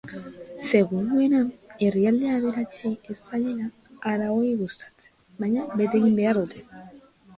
Seguruena herrialde aberatsei ez zaiela arau hori gustatzen, baina bete egiten dute.